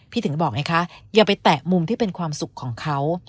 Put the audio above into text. ถึงบอกไงคะอย่าไปแตะมุมที่เป็นความสุขของเขา